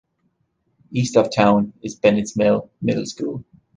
East of town, is Bennett's Mill Middle School.